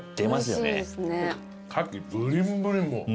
カキブリンブリンもう。